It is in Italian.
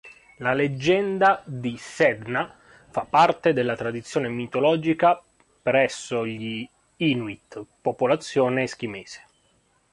La leggenda di Sedna fa parte della tradizione mitologica presso gli inuit, popolazione eschimese.